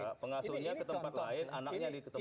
ya pengasuhnya ke tempat lain anaknya diketemui